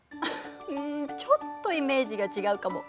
うんちょっとイメージが違うかも。